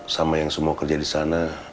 sama yang semua kerja disana